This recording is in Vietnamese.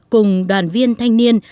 cùng đoàn viên thanh niên